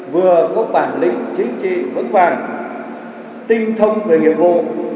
vừa có bản lĩnh chính trị vững vàng tinh thông về nghiệp vụ